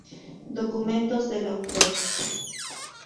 Documentos del autor.